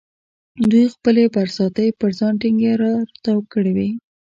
دوی خپلې برساتۍ پر ځان ټینګې را تاو کړې وې.